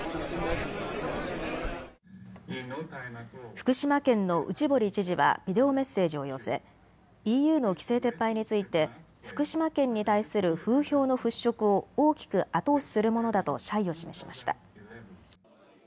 福島県の内堀知事はビデオメッセージを寄せＥＵの規制撤廃について福島県に対する風評の払拭を大きく後押しするものだと謝意を示しました。